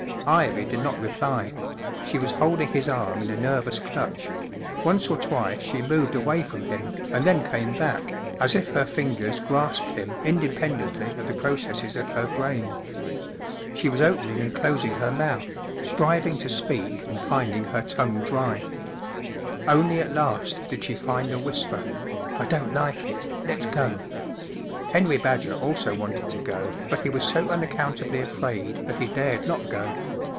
Ivy did not reply ; she was holding his arm in a nervous clutch ; once or twice she moved away from him, and then came back, as if her fingers grasped him independently of the processes 0f her brain. She was open ing an|||cl||siiji ,heif to speak Waxworks 62 and finding her tongue dry. Only at last did she find a whisper: 11 1 don't like it. Let's go." Henry Badger also wanted to go, but he was so unaccountably afraid that he dared not go.